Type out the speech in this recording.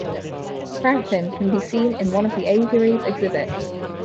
Franklin can be seen in one of the aviary's exhibits.